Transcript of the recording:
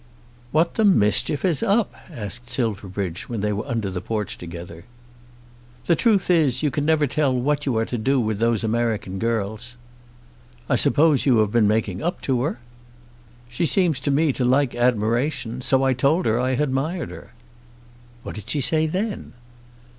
"What the mischief is up?" asked Silverbridge, when they were under the porch together. "The truth is, you never can tell what you are to do with those American girls." "I suppose you have been making up to her." "Nothing in earnest. She seemed to me to like admiration; so I told her I admired her." "What did she say then?"